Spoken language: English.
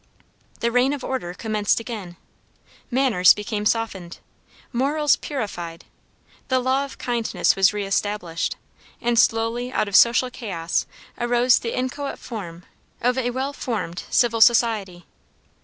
The reign of order commenced again: manners became softened, morals purified: the law of kindness was re established, and slowly out of social chaos arose the inchoate form of a well ordered civil society.